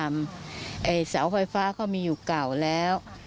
วันนี้เขาก็เริ่มเอามาปักให้แล้ว